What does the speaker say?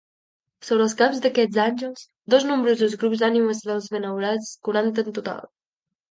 Sobre els caps d'aquests àngels, dos nombrosos grups d'ànimes dels benaurats, quaranta en total.